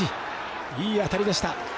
いい当たりでした。